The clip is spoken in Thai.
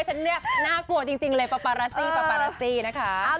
ฉันน่ากลัวจริงเลยปราปารัสซีนะคะ